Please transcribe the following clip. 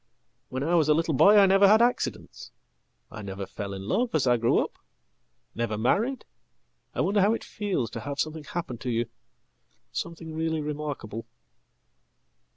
When I was a little boy I never had accidents. I never fell in love asI grew up. Never married... I wonder how it feels to have somethinghappen to you, something really remarkable."